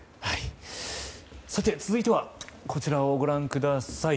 さて、続いてはこちらをご覧ください。